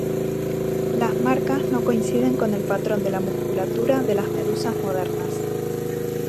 Las marcas no coinciden con el patrón de la musculatura de las medusas modernas.